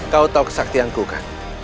kau tahu kesaktianku kan